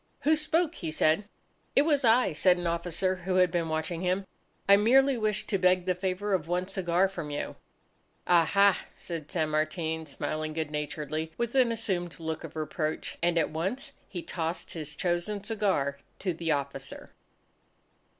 "Who spoke?" he said. "It was I," said an officer who had been watching him. "I merely wished to beg the favour of one cigar from you." "Ah ha!" said San Martin smiling good naturedly with an assumed look of reproach. And at once he tossed his chosen cigar to the officer.